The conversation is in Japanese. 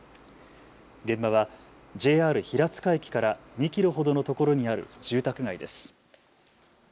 現場はＪＲ平塚駅から２キロほどのところにある住宅街です。